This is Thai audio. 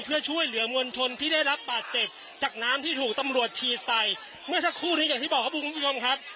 เพื่อช่วยเหลือมวลชนที่ได้รับบาดเจ็บจากน้ำที่ถูกตำรวจฉีดใส่เมื่อสักครู่นี้อย่างที่บอกครับคุณผู้ชมครับ